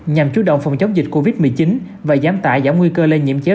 nhằm chú động phòng chống dịch covid một mươi chín và giám tại giảm nguy cơ lên nhiễm chéo